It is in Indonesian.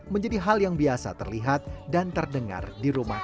menjadi hal yang biasa terlihat dan terdengar di rumah